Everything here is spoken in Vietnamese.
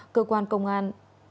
cơ quan công an